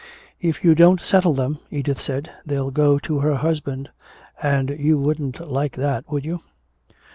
"If you don't settle them," Edith said, "they'll go to her husband. And you wouldn't like that, would you?"